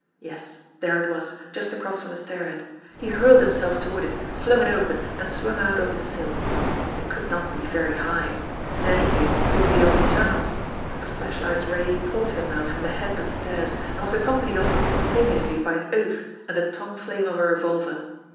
Yes, there it was just across from the stairhead. He hurled himself toward it, flung it open, and swung out over the sill. It could not be very high. In any case it was the only chance. A flashlight's ray caught him now from the head of the stairs, and was accompanied almost simultaneously by an oath and the tongue flame of a revolver.